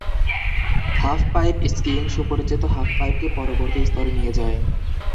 Half-pipe skiing সুপরিচিত হাফ-পাইপকে পরবর্তী স্তরে নিয়ে যায়।